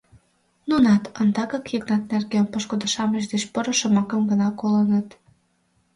Нунат ондакак Йыгнат нерген пошкудо-шамыч деч поро шомакым гына колыныт.